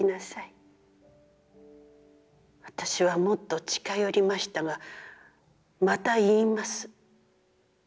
私は、もっと近寄りましたが、また、言います。